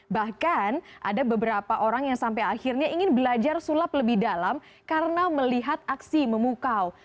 bahkan ada beberapa orang yang sampai akhirnya ingin belajar sulap lebih dalam karena melihat aksi memukau